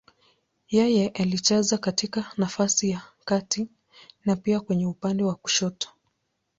Yeye alicheza katika nafasi ya kati na pia kwenye upande wa kushoto.